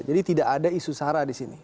jadi tidak ada isu sara di sini